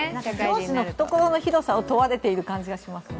上司の懐の広さを問われている感じがしますよね。